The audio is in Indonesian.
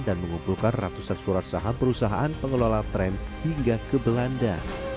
dan mengumpulkan ratusan surat saham perusahaan pengelola tram hingga ke belanda